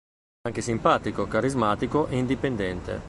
È anche simpatico, carismatico e indipendente.